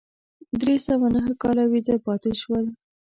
درې سوه نهه کاله ویده پاتې شول.